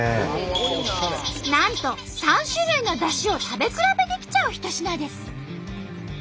なんと３種類のだしを食べ比べできちゃう一品です。